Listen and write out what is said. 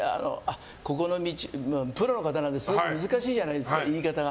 プロの方なのですごい難しいじゃないですか言い方が。